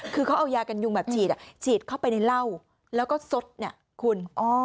คือเขาเอายากันยุงแบบฉีดฉีดเข้าไปในเหล้าแล้วก็ซดเนี่ยคุณ